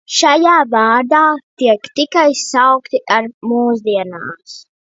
Šajā vārdā tas tiek saukts arī mūsdienās.